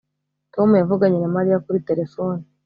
Tom yavuganye na Mariya kuri terefone